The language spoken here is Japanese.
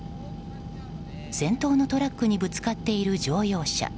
先頭のトラックにぶつかっている乗用車。